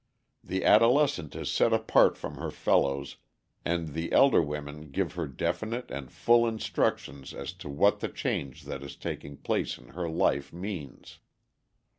The adolescent is set apart from her fellows, and the elder women give her definite and full instruction as to what the change that is taking place in her life means.